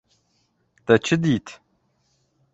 Te çi dît?